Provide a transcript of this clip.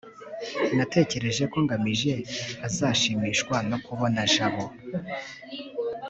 natekereje ko ngamije azashimishwa no kubona jabo